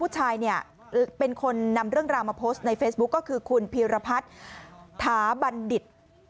เนี่ยเป็นคนนำเรื่องราวมาโพสต์ในเฟซบุ๊คก็คือคุณพีรพัฒน์ถาบัณฑิต